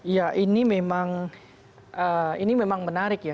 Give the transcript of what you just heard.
ya ini memang menarik ya